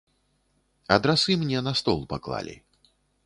Адрасы мне на стол паклалі.